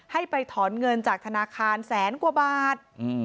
ให้ไปถอนเงินจากธนาคารแสนกว่าบาท